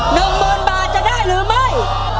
๑หมื่นบาทจะได้หรือไม่